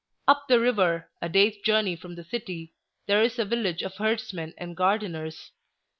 "Up the river, a day's journey from the city, there is a village of herdsmen and gardeners.